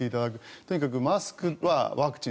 とにかく、マスクはワクチン。